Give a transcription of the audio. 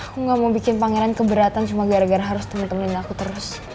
gua mau bikin pangeran keberatan cuma gara gara harus temenin aku terus